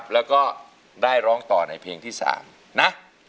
แล้วก็ได้ร้องต่อในเพลงที่๓นะ